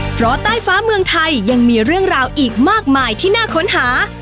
เพราะใต้ฟ้าเมืองไทยยังมีเรื่องราวอีกมากมายที่น่าค้นหา